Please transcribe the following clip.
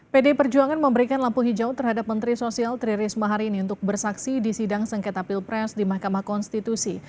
pdi perjuangan memberikan lampu hijau terhadap menteri sosial tri risma hari ini untuk bersaksi di sidang sengketa pilpres di mahkamah konstitusi